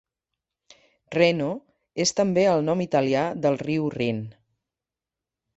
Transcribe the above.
Reno és també el nom italià del riu Rin.